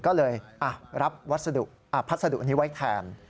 ก็เลยรับพัสดุนี้ไว้แทน